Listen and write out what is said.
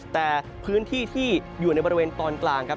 แต่พื้นที่ที่อยู่ในบริเวณตอนกลางครับ